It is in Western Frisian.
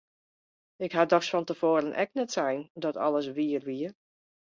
Ik ha dochs fan te foaren ek net sein dat alles wier wie!